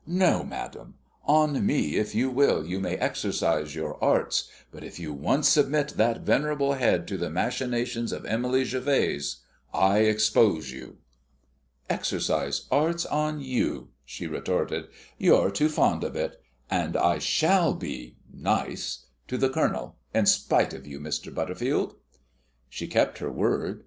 No, madam. On me, if you will, you may exercise your arts; but if you once submit that venerable head to the machinations of Emily Gervase I expose you." "Exercise arts on you!" she retorted. "You're too fond of it; and I shall be nice to the Colonel, in spite of you, Mr. Butterfield." She kept her word.